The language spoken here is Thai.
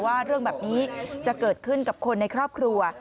ว่าเรื่องแบบนี้จะเกิดขึ้นกับคนในครอบครัว